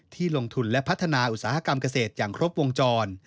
ลงทุนและพัฒนาอุตสาหกรรมเกษตรอย่างครบวงจร